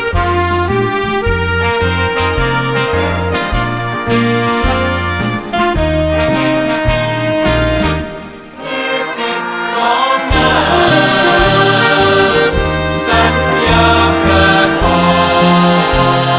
ด้วยสัญญาประกอบ